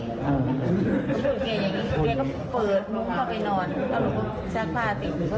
แม่ก็เปิดมุมเข้าไปนอน